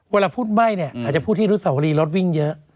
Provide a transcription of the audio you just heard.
เวลาพูดไหม้เนี่ยอาจจะพูดที่อนุสาวรีรถวิ่งเยอะ